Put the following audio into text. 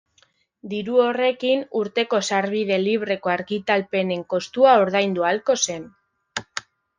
Diru horrekin urteko sarbide libreko argitalpenen kostua ordaindu ahalko zen.